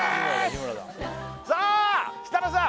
さあ設楽さん